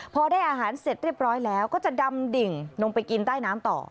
พอได้อาหารเสร็จเรียบร้อยแล้วก็จะดำดิ่งลงไปกินใต้น้ำต่อ